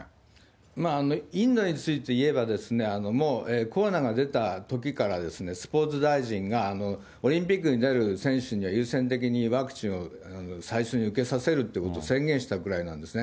まあインドについていえばですね、もうコロナが出たときから、スポーツ大臣が、オリンピックに出る選手には優先的にワクチンを最初に受けさせるということを宣言したくらいなんですね。